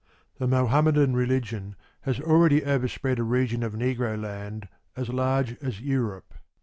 The Mohammedan religion has already overspread a region of Negroland as large as Europe.